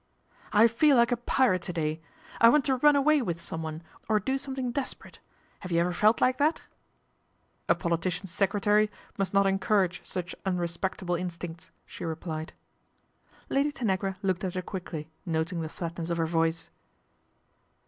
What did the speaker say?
" I feel like a pirate to day. I want to run .way with someone, or do something desperate, lave you ever felt like that ?"" A politician's secretary must not encourage uch unrespectable instincts," she replied. Lady Tanagra looked at her quickly, noting the latness of her voice.